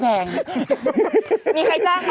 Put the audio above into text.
มีใครจ้างคะ